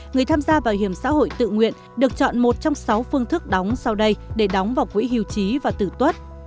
người tham gia bảo hiểm xã hội tự nguyện được chọn một trong sáu phương thức đóng sau đây để đóng vào quỹ hưu trí và tử tuất